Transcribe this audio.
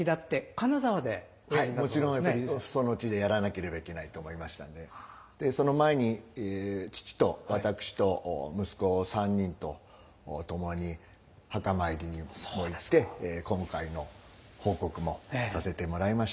もちろんやっぱり父祖の地でやらなければいけないと思いましたんででその前に父と私と息子３人と共に墓参りにも行って今回の報告もさせてもらいました。